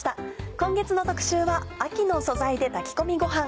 今月の特集は「秋の素材で炊き込みごはん」。